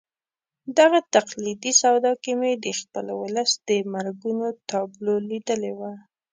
دغه تقلیدي سودا کې مې د خپل ولس د مرګونو تابلو لیدلې ده.